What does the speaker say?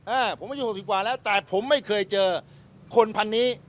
อ่าผมอายุหกสิบกว่าแล้วแต่ผมไม่เคยเจอคนพันนี้